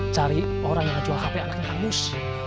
cari orang yang jual hp anaknya hangus